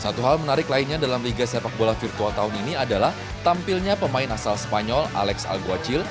satu hal menarik lainnya dalam liga sepak bola virtual tahun ini adalah tampilnya pemain asal spanyol alex al guacil